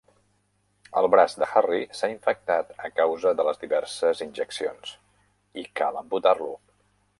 El braç de Harry s'ha infectat a causa de les diverses injeccions i cal amputar-lo.